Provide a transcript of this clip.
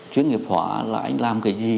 chuyên nghiệp họa là anh làm cái gì